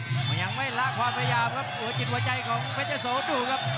มำยังไม่ลากความพยายามครับ